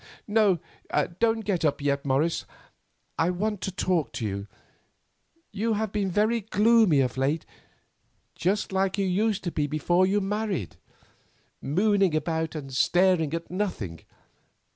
"No, don't get up yet, Morris; I want to talk to you. You have been very gloomy of late, just like you used to be before you married, mooning about and staring at nothing.